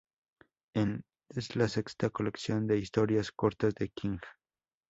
Es la sexta colección de historias cortas de King.